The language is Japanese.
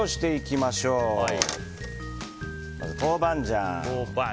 まず、豆板醤。